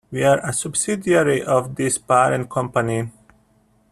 We are a subsidiary of this parent company.